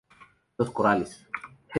Los Corales.